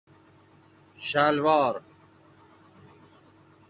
شلوار